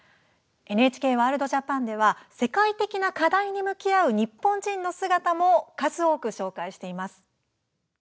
ＮＨＫワールドＪＡＰＡＮでは世界的な課題に向き合う日本人の姿も数多く紹介しています。